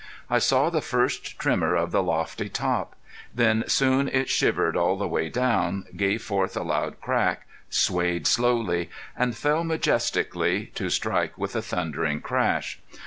I saw the first tremor of the lofty top. Then soon it shivered all the way down, gave forth a loud crack, swayed slowly, and fell majestically, to strike with a thundering crash.